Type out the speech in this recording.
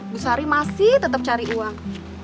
bu sari masih tetap cari uang